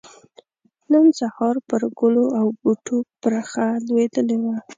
نن سحار پر ګلو او بوټو پرخه لوېدلې وه